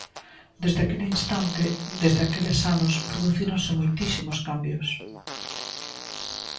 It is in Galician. Desde aquel instante, desde aqueles anos, producíronse moitísimos cambios.